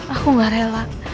aku gak rela